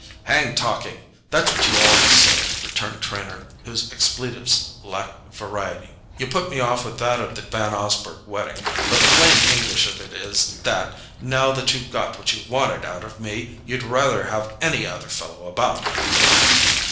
"Hang talking! That's what you always say," returned Trenor, whose expletives lacked variety. "You put me off with that at the Van Osburgh wedding—but the plain English of it is that, now you've got what you wanted out of me, you'd rather have any other fellow about."